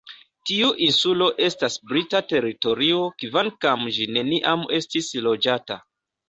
Tiu insulo estas brita teritorio, kvankam ĝi neniam estis loĝata.